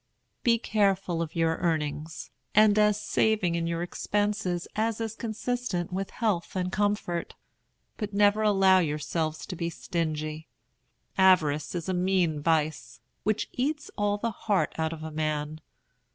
Be careful of your earnings, and as saving in your expenses as is consistent with health and comfort; but never allow yourselves to be stingy. Avarice is a mean vice, which eats all the heart out of a man.